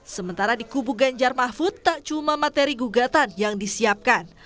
sementara di kubu ganjar mahfud tak cuma materi gugatan yang disiapkan